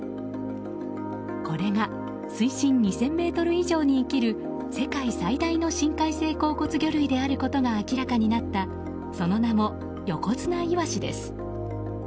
これが水深２０００ｍ以上に生きる世界最大の深海性硬骨魚類であることが明らかになったその名もヨコヅナイワシです。